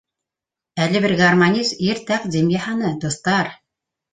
Әле бер гармонист ир тәҡдим яһаны, дуҫтар.